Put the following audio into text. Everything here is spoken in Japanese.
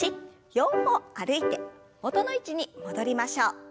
４歩歩いて元の位置に戻りましょう。